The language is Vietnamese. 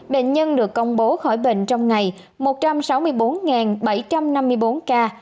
bệnh nhân được công bố khỏi bệnh trong ngày một trăm sáu mươi bốn bảy trăm năm mươi bốn ca